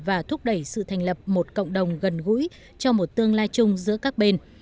và thúc đẩy sự thành lập một cộng đồng gần gũi cho một tương lai chung giữa các bên